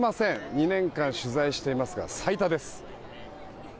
２年間取材していますが最多です。